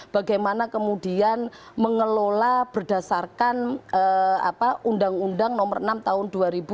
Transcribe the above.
bagaimana kemudian mengelola berdasarkan undang undang nomor enam tahun dua ribu dua